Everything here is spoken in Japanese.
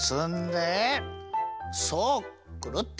くるっと！